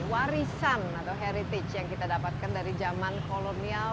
warisan atau heritage yang kita dapatkan dari zaman kolonial